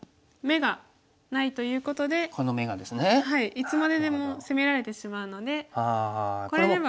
いつまででも攻められてしまうのでこれでは。